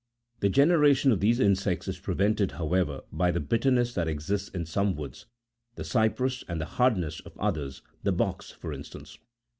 The generation of these insects is prevented, however, by the bitterness that exists in some woods, the cypress, and the hardness of others, the box, for instance.